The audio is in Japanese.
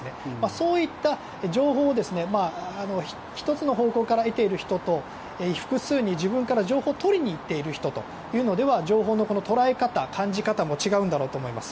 そういった情報を１つの方向から得ている人と複数に自分から情報を取りに行っている人では情報の捉え方、感じ方も違うと思います。